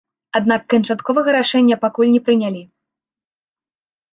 Аднак канчатковага рашэння пакуль не прынялі.